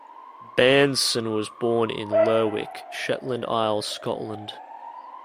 Bairnson was born in Lerwick, Shetland Isles, Scotland.